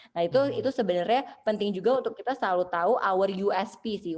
nah itu sebenarnya penting juga untuk kita selalu tahu our usp sih